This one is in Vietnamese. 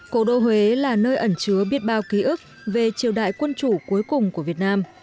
cổ đô huế là nơi ẩn chứa biết bao ký ức về triều đại quân chủ cuối cùng của việt nam